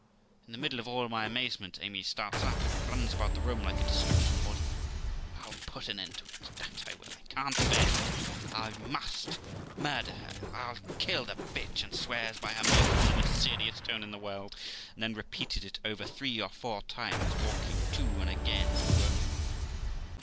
In the middle of all my amazement, Amy starts up and runs about the room like a distracted body. 'I'll put an end to it, that I will; I can't bear it I must murder her, I'll kill the b '; and swears by her Maker, in the most serious tone in the world, and then repeated it over three or four times, walking to and again in the room.